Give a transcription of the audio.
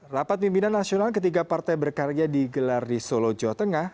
rapat pimpinan nasional ketiga partai berkarya digelar di solo jawa tengah